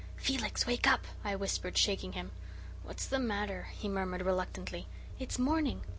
"Felix, wake up," I whispered, shaking him. "What's the matter?" he murmured reluctantly. "It's morning.